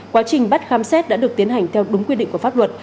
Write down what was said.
quá trình bắt khám xét đã được tiến hành theo đúng quy định của pháp luật